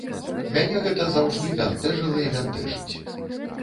Мяне гэта заўжды бянтэжыла і бянтэжыць.